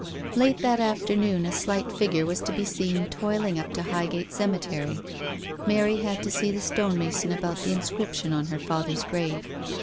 Late that afternoon a little figure was to be seen toiling up to Highgate Cemetery. Mary had to see the stonemason about the inscription on her father's grave.